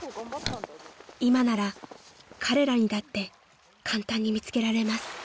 ［今なら彼らにだって簡単に見つけられます］